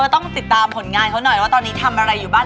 ต้องติดตามผลงานเขาหน่อยว่าตอนนี้ทำอะไรอยู่บ้าง